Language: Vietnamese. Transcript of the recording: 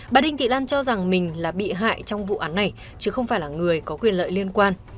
bà đinh thị lan cho rằng mình là bị hại trong vụ án này chứ không phải là người có quyền lợi liên quan